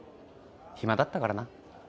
暇だったからな。